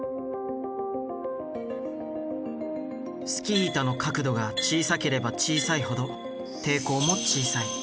スキー板の角度が小さければ小さいほど抵抗も小さい。